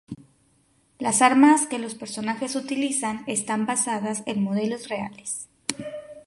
Las armas que los personajes utilizan, están basadas en modelos reales.